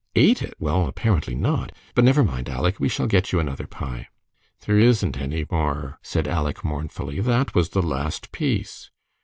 "Ate it? Well, apparently not. But never mind, Aleck, we shall get you another pie." "There isn't any more," said Aleck, mournfully; "that was the last piece."